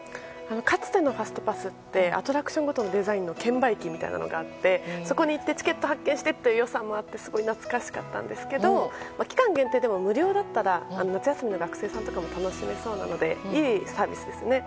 かつてのファストパスってアトラクションごとのデザインの券売機みたいなものがあってそこに行ってチケットを発券してという良さもあって懐かしかったんですが期間限定でも無料だったら夏休みの学生さんとかも楽しめそうなのでいいサービスですね。